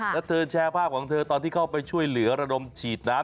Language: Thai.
แล้วเธอแชร์ภาพของเธอตอนที่เข้าไปช่วยเหลือระดมฉีดน้ำ